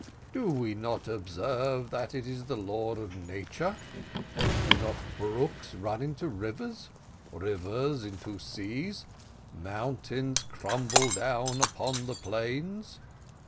Do we not observe that it is the law of nature do not brooks run into rivers rivers into seas mountains crumble down upon the plains?